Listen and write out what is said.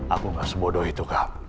aku gak sebodoh itu kak